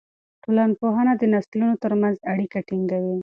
ټولنپوهنه د نسلونو ترمنځ اړیکه ټینګوي.